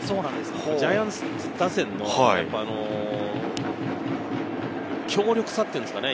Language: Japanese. ジャイアンツ打線の強力さっていうんですかね。